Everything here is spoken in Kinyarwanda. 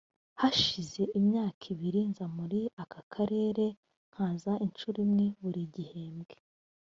hashize imyaka ibiri nza muri aka karere, nkaza incuro imwe buri gihembwe